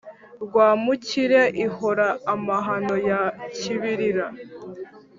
Rwamukire ihora amahano ya Kibirira